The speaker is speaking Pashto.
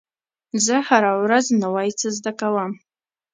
زه هره ورځ نوی څه زده کوم.